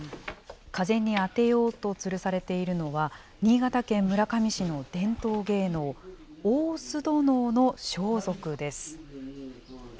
風に当てようとつるされているのは、新潟県村上市の伝統芸能、大須戸能の装束です。